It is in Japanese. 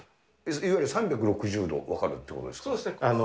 いわゆる３６０度分かるってそうですね。